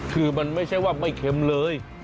คือมันไม่ใช่ว่าไม่เค็มเลย